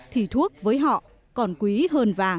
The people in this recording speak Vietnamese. thì thuốc với họ còn quý hơn vàng